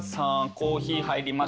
コーヒー入りました。